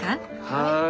はい。